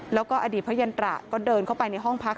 แล้วก็อดีตพระยันตระก็เดินเข้าไปในห้องพัก